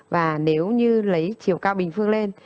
và nếu như lấy chiều cao bình phương lên